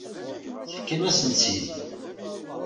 Tefkamt-asen-tt-id.